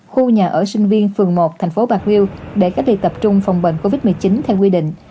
khu nhà ở sinh viên phường một thành phố bạc liêu để cách ly tập trung phòng bệnh covid một mươi chín theo quy định